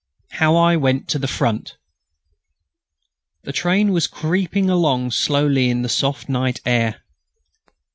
HOW I WENT TO THE FRONT The train was creeping along slowly in the soft night air.